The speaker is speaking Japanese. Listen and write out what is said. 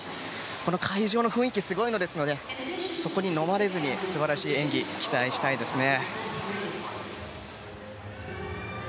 この会場の雰囲気がすごいのでそこにのまれず素晴らしい演技を期待したいですね。